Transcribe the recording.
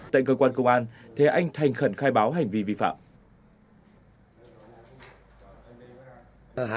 tại cơ quan công an thế anh thành khẩn khai báo hành vi vi phạm